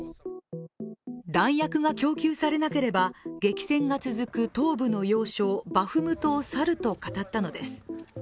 弾薬が供給されなければ、激戦が続く東部の要衝・バフムトを去ると語ったのです。